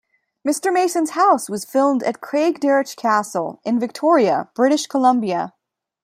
Mr. Mason's house was filmed at Craigdarroch Castle, in Victoria, British Columbia.